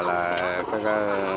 bác có con